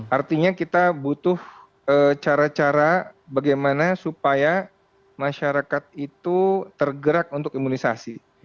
artinya kita butuh cara cara bagaimana supaya masyarakat itu tergerak untuk imunisasi